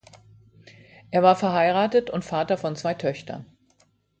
Er war verheiratet und Vater von zwei Töchtern.